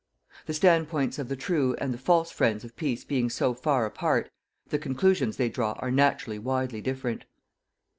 The standpoints of the TRUE and the FALSE friends of PEACE being so far apart, the conclusions they draw are naturally widely different.